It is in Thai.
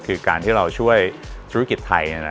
คือการที่เราช่วยธุรกิจไทย